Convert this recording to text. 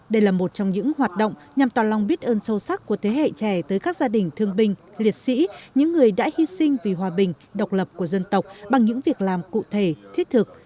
đây là một trong những hoạt động nhằm toàn lòng biết ơn sâu sắc của thế hệ trẻ tới các gia đình thương binh liệt sĩ những người đã hy sinh vì hòa bình độc lập của dân tộc bằng những việc làm cụ thể thiết thực